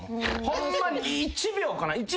ホンマに１秒かな。